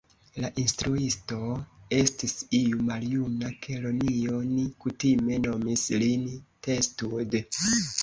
La instruisto estis iu maljuna kelonio ni kutime nomis lin Testud.